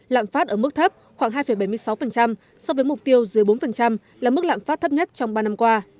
lạm phát ở mức thấp khoảng hai bảy mươi sáu so với mục tiêu dưới bốn là mức lạm phát thấp nhất trong ba năm qua